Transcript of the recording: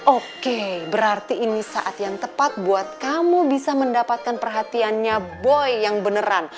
oke berarti ini saat yang tepat buat kamu bisa mendapatkan perhatiannya boy yang beneran